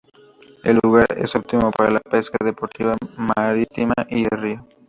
El lugar es óptimo para la pesca deportiva, marítima y de río.